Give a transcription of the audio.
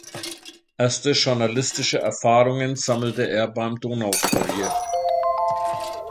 Erste journalistische Erfahrungen sammelte er beim Donaukurier.